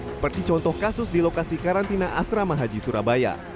seperti contoh kasus di lokasi karantina asrama haji surabaya